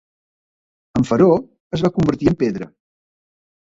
En fer-ho, es va convertir en pedra.